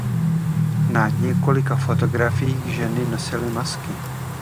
Na několika fotografiích ženy nosily masky.